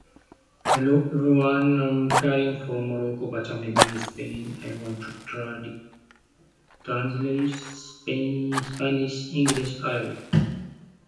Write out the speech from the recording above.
Fue catalogada para todos los públicos.